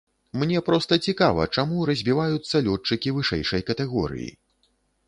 Мне проста цікава, чаму разбіваюцца лётчыкі вышэйшай катэгорыі?